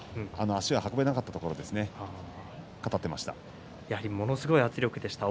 足が運べなかったところですね語っていました。